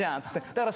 だから。